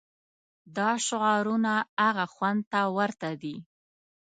دا شعارونه هغه شخوند ته ورته دي.